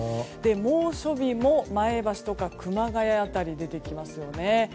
猛暑日も前橋とか熊谷辺りで出てきますね。